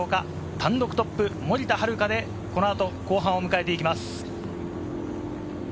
単独トップ・森田遥で、このあと後半を迎えていきます。